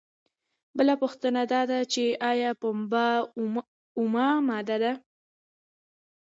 بله پوښتنه دا ده چې ایا پنبه اومه ماده ده؟